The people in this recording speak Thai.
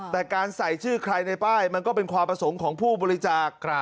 แต่การใส่ชื่อใครในป้ายมันก็เป็นความประสงค์ของผู้บริจาค